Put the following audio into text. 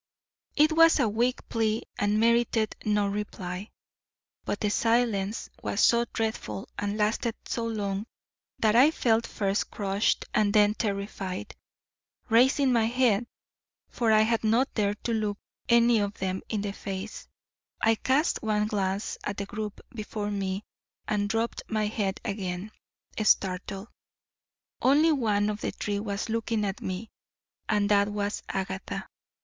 It was a weak plea and merited no reply. But the silence was so dreadful and lasted so long that I felt first crushed and then terrified. Raising my head, for I had not dared to look any of them in the face, I cast one glance at the group before me and dropped my head again, startled. Only one of the three was looking at me, and that was Agatha.